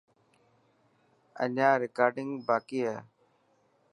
اڄان رڪارڊنگ باڪي هي.